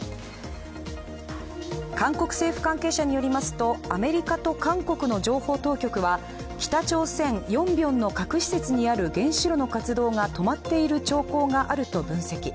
韓国政府関係者によりますとアメリカと韓国の情報当局は北朝鮮・ヨンビョンの核施設にある原子炉の活動が止まっている兆候があると分析。